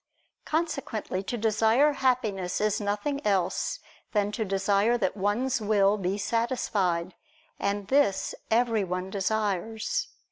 Consequently to desire happiness is nothing else than to desire that one's will be satisfied. And this everyone desires.